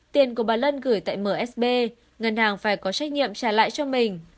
tiền của bà lân gửi tại msb ngân hàng phải có trách nhiệm trả lại cho mình